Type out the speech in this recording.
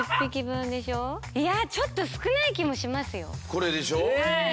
これでしょう？え！？